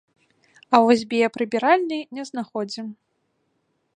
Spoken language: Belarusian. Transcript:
А вось біяпрыбіральні не знаходзім.